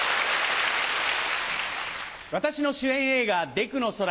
私の主演映画『でくの空』